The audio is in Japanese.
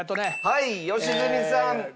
はい良純さん。